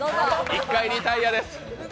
一回リタイヤです。